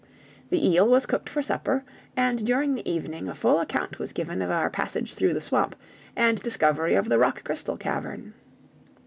The eel was cooked for supper, and during the evening a full account was given of our passage through the swamp, and discovery of the rock crystal cavern.